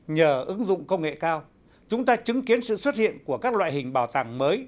nhờ ứng dụng công nghệ cao chúng ta chứng kiến sự xuất hiện của các loại hình bảo tàng mới